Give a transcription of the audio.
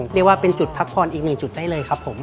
เรียกว่าเป็นจุดพักผ่อนอีกหนึ่งจุดได้เลยครับผม